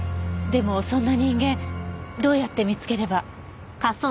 でもそんな人間どうやって見つければ。